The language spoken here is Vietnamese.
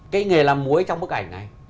cái nghề làm mối trong bức ảnh này